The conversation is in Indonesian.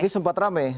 ini sempat rame